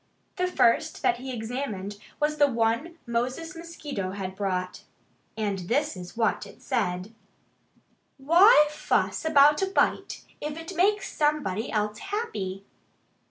The first that he examined was the one Moses Mosquito had brought. And this is what it said: WHY FUSS ABOUT A BITE, IF IT MAKES SOMEBODY ELSE HAPPY?